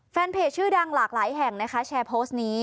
แฟนเพจชื่อดังหลากหลายแห่งนะคะแชร์โพสต์นี้